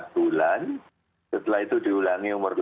bulan setelah itu diulangi umur delapan belas